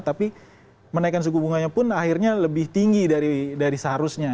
tapi menaikkan suku bunganya pun akhirnya lebih tinggi dari seharusnya